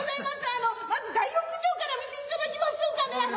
まず大浴場から見ていただきましょうかね。